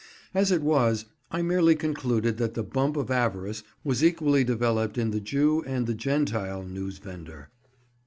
As it was, I merely concluded that the bump of avarice was equally developed in the Jew and the Gentile newsvendor.